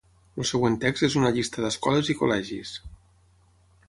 El següent text és una llista d'escoles i col·legis.